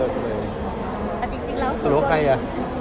จริงแล้วคือว่ารู้ว่าใครอ่ะ